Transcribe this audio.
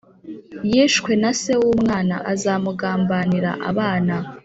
Yicwe na se w umwana azamugambanira abana